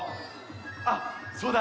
あっそうだ！